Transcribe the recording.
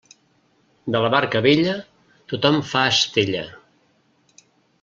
De la barca vella, tothom fa estella.